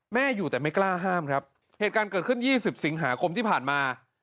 อยู่แต่ไม่กล้าห้ามครับเหตุการณ์เกิดขึ้น๒๐สิงหาคมที่ผ่านมา